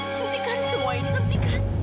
hentikan semua ini